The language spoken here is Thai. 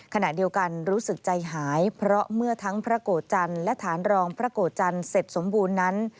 ขณะเดียวกันรู้สึกใจหายเพราะเมื่อทั้งพระโกรธจันทร์และฐานรองพระโกรธจันทร์เสร็จสมบูรณ์นั้น